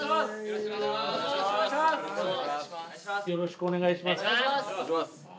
よろしくお願いします。